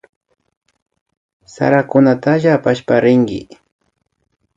Sarakutalla apashpa rinki